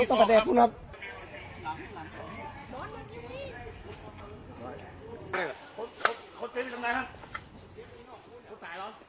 ต้องกระแดกพูดนะครับ